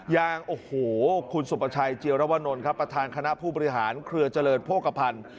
อย่างโอ้โหคุณสุประชัยเจียรวนลครับประธานคณะผู้บริหารเครือเจริญโภคภัณฑ์